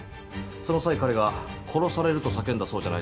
その際彼が殺されると叫んだそうじゃないですか。